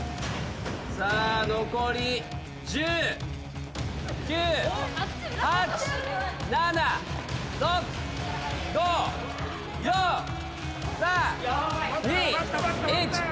さあ残り１０９８７６５４３２１。